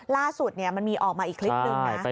ล่าสุดมันมีออกมาอีกคลิปหนึ่งนะ